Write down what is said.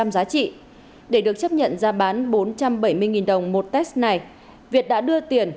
năm giá trị để được chấp nhận ra bán bốn trăm bảy mươi đồng một test này việt đã đưa tiền